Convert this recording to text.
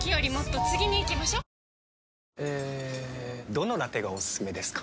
どのラテがおすすめですか？